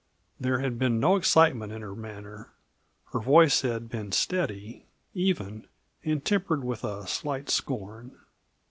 There had been no excitement in her manner; her voice had been steady, even, and tempered with a slight scorn.